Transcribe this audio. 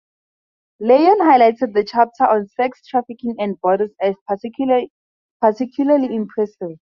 Lyon highlighted the chapter on sex trafficking and borders as "particularly impressive".